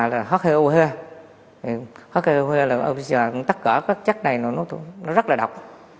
là h hai o hai thì h hai o hai là oxygene tất cả các chất này nó rất là độc